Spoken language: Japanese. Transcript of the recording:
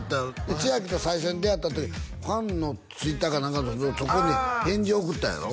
ちあきと最初に出会った時ファンのＴｗｉｔｔｅｒか何かそこに返事を送ったんやろ？